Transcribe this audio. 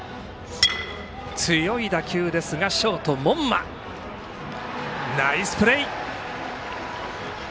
強い打球ですがショート、門間。ナイスプレー！